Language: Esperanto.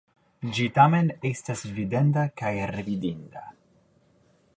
Ĝi tamen estas videnda kaj revidinda.